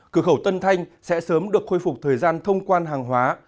cửa khẩu tân thanh sẽ sớm được khôi phục thời gian thông quan hàng hóa